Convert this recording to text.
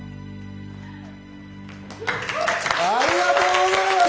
ありがとうございます！